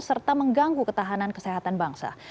serta mengganggu ketahanan kesehatan bangsa